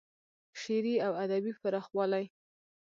شعري او ادبي پراخوالی